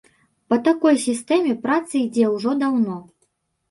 Па такой сістэме праца ідзе ўжо даўно.